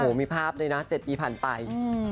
มีภาพเลยนะ๗ปีผ่านไป